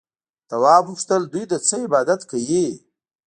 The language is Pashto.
تواب وپوښتل دوی د څه عبادت کوي؟